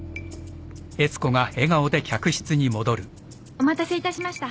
お待たせいたしました。